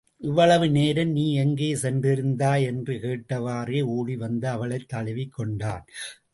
இவ்வளவு நேரம் நீ எங்கே சென்றிருந்தாய் என்று கேட்டவாறே ஓடிவந்து அவளைத் தழுவிக் கொண்டான்.